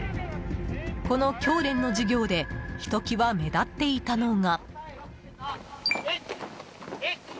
この教練の授業でひときわ目立っていたのが。